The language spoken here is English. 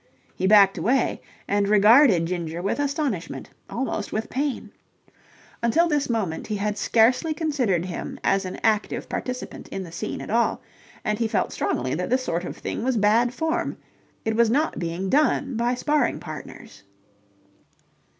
He backed away and regarded Ginger with astonishment, almost with pain. Until this moment he had scarcely considered him as an active participant in the scene at all, and he felt strongly that this sort of thing was bad form. It was not being done by sparring partners.